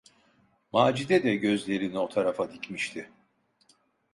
Macide de gözlerini o tarafa dikmişti.